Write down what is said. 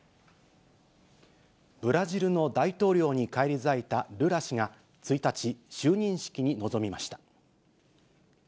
ブラジルの大統領に返り咲いたルラ氏が、１日、就任式に臨みました。